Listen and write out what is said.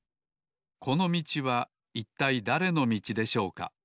このみちはいったいだれのみちでしょうか？